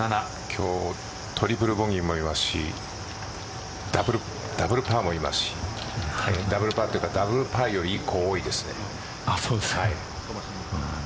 今日トリプルボギーもいますしダブルパーもいますしダブルパーより１個多いですね。